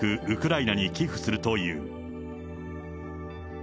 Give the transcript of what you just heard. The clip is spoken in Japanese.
ウクライナに寄付するという。